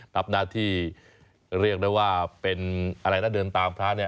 รับหน้าที่เรียกได้ว่าเป็นอะไรนะเดินตามพระเนี่ย